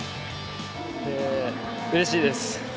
うれしいです。